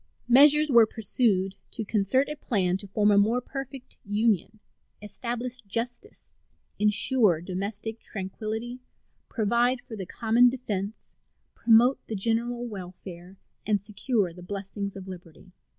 Measures were pursued to concert a plan to form a more perfect union, establish justice, insure domestic tranquillity, provide for the common defense, promote the general welfare, and secure the blessings of liberty.